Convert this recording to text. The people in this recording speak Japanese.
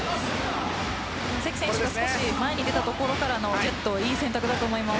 関選手も少し前に出たところからのジェット、いい選択だと思います。